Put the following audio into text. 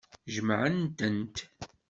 Jemɛent-tent.